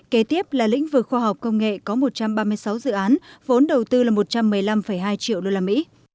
kế tiếp là lĩnh vực khoa học công nghệ có một trăm ba mươi sáu dự án vốn đầu tư là một trăm một mươi năm hai triệu đô la mỹ